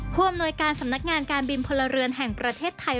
ผู้อำนวยการสำนักงานการบินพลเรือนแห่งประเทศไทย